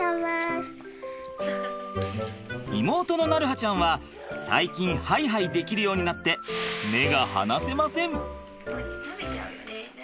妹の鳴映ちゃんは最近ハイハイできるようになって目が離せません。